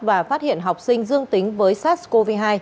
và phát hiện học sinh dương tính với sars cov hai